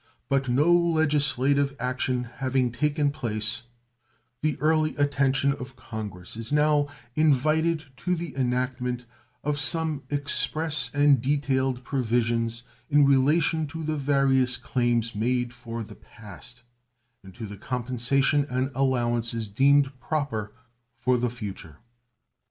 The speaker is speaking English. But no legislative action having taken place, the early attention of Congress is now invited to the enactment of some express and detailed provisions in relation to the various claims made for the past, and to the compensation and allowances deemed proper for the future.